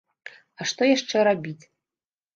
А што яшчэ рабіць?!